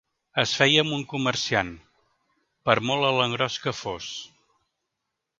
Es feia amb un comerciant, per molt a l'engròs que fos